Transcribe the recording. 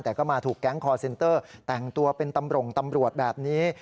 แต่ก็มาถูกแก๊งคอร์เซ็นเตอร์แต่งตัวเป็นตำรวจแบบนี้